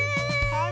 はい。